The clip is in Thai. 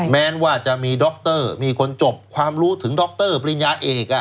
แม้ว่าจะมีดรมีคนจบความรู้ถึงดรปริญญาเอก